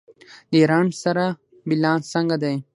د ایران سره بیلانس څنګه دی؟